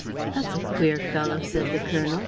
"That's a queer fellow," said the colonel.